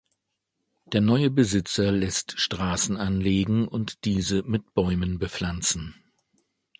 Der neue Besitzer lässt Straßen anlegen und diese mit Bäumen bepflanzen.